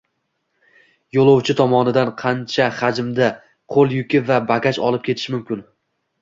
Yo‘lovchi tomonidan qancha hajmda qo‘l yuki va bagaj olib ketish mumkin?